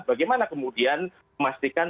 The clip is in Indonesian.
bagaimana kemudian memastikan